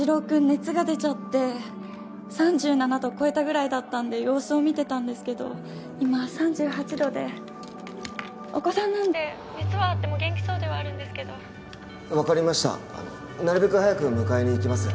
熱が出ちゃって３７度超えたぐらいだったんで様子を見てたんですけど今３８度でお子さんなんで熱はあっても元気そうではあるんですけど分かりましたなるべく早く迎えに行きます